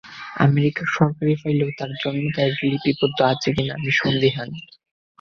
আমেরিকার সরকারি ফাইলেও তার জন্ম তারিখ লিপিবদ্ধ আছে কিনা আমি সন্দিহান।